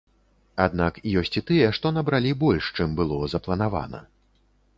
Аднак ёсць і тыя, што набралі больш, чым было запланавана.